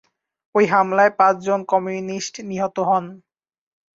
ঐ হামলায় পাঁচজন কমিউনিস্ট নিহত হন।